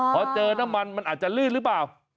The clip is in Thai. พอเจอน้ำมันมันอาจจะลื่นหรือเปล่า